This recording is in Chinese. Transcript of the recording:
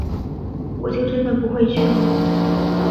我就真的不会去吗